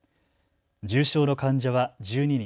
重症の患者は１２人。